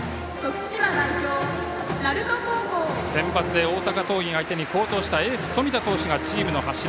センバツで大阪桐蔭相手に好投したエース、冨田投手がチームの柱。